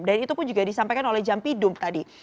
dan itu pun juga disampaikan oleh jampi dump tadi